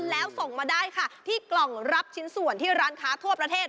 แล้วส่งมาได้ค่ะที่กล่องรับชิ้นส่วนที่ร้านค้าทั่วประเทศ